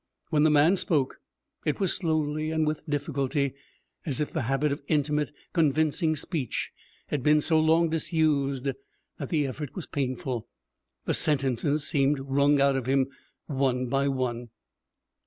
When the man spoke, it was slowly and with difficulty, as if the habit of intimate, convincing speech had been so long disused that the effort was painful. The sentences seemed wrung out of him, one by one.